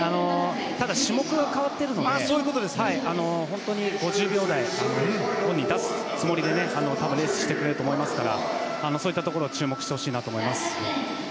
ただ、種目が変わっているので５０秒台を本人は出すつもりでレースしてくると思いますからそういったところに注目してほしいなと思います。